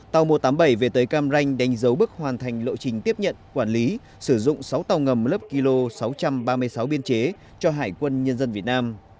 tàu một trăm tám mươi bảy về tới cam ranh đánh dấu bước hoàn thành lộ trình tiếp nhận quản lý sử dụng sáu tàu ngầm lấp kl sáu trăm ba mươi sáu biên chế cho hải quân nhân dân việt nam